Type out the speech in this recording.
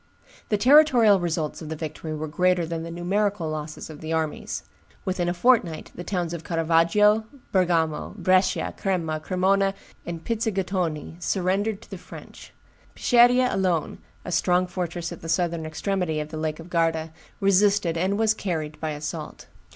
The territorial results of the victory were greater than the numerical losses of the armies. Within a fortnight, the towns of Caravaggio, Bergamo, Brescia, Crema, Cremona, and Pizzighitone surrendered to the French. Peschiera alone, a strong fortress at the southern extremity of the Lake of Garda, resisted, and was carried by assault.